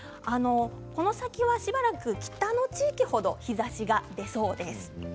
この先は、しばらく北の地域ほど日ざしが出そうです。